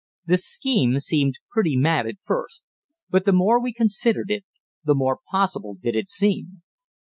The scheme seemed pretty mad at first, but the more we considered it the more possible did it seem.